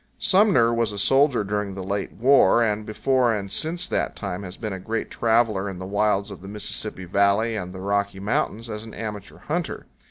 Sumner was a soldier during the late war, and before and since that time has been a great traveler in the wilds of the Mississippi Valley and the Rocky Mountains as an amateur hunter.